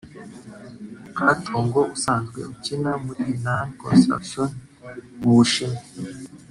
Katongo ubusanzwe ukina muri Henan Construction mu Ubushinwa